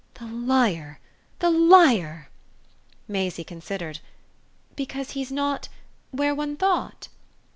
"The liar the liar!" Maisie considered. "Because he's not where one thought?"